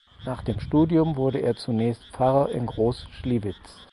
Nach dem Studium wurde er zunächst Pfarrer in Groß Schliwitz.